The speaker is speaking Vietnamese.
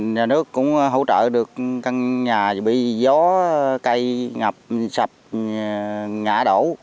nhà nước cũng hỗ trợ được căn nhà bị gió cây ngập sạch ngã đổ